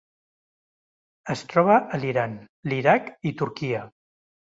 Es troba a l'Iran, l'Iraq i Turquia.